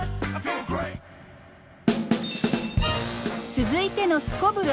続いてのすこぶる